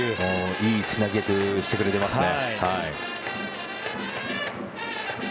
いいつなぎ役をしてくれていますね。